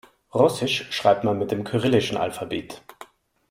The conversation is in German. Russisch schreibt man mit dem kyrillischen Alphabet.